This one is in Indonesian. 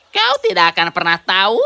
kau tidak akan pernah tahu